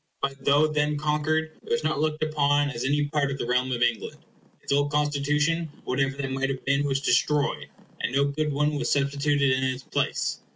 But though then conquered, it was not looked upon as any part of the realm of England. Its old Constitution, whatever that might have been, was destroyed, and no good one was substituted in its place.